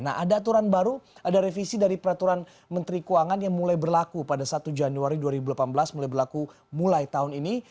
nah ada aturan baru ada revisi dari peraturan menteri keuangan yang mulai berlaku pada satu januari dua ribu delapan belas mulai berlaku mulai tahun ini